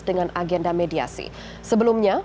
dengan agenda mediasi sebelumnya